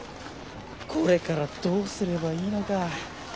これからどうすればいいのか。